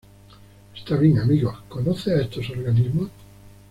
Está bien. Amigos. ¿ conoce a estos organismos?